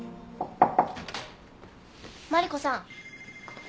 マリコさん。